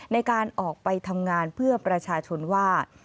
ในการออกไปทำงานเพื่อประชาชนว่า